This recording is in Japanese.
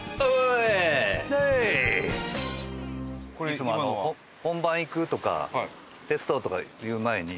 いつも本番いくとかテストとかいう前に。